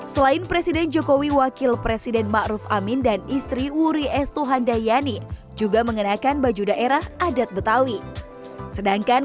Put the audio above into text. selain presiden jokowi wakil presiden ma ruf amin dan istri wuri estuhan dayani juga mengenakan baju daerah adat tanibar